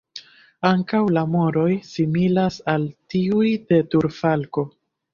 Ankaŭ la moroj similas al tiuj de turfalko.